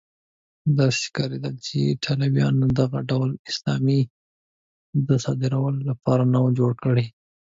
داسې ښکارېدل چې ایټالویانو دغه ډول سلامي د صادرولو لپاره نه وه جوړه کړې.